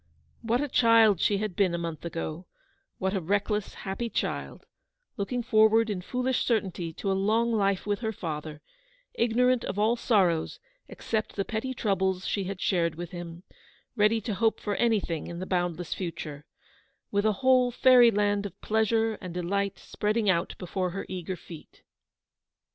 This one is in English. What a child she had been a month ago; what a reckless, happy child, looking forward in foolish certainty to a long life with her father; ignorant of all sorrows except the petty troubles she had shared with him ; ready to hope for anything in the boundless future; with a whole fairy land of pleasure and delight spreading out before her eager feet